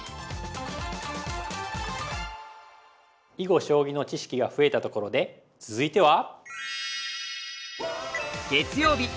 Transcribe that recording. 囲碁将棋の知識が増えたところで続いては！